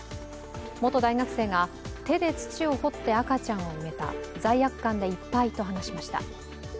元大学生が手で土を掘って赤ちゃんを埋めた罪悪感でいっぱいと話しました。